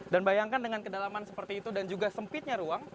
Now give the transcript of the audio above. dan bayangkan dengan kedalaman seperti itu dan juga sempitnya ruang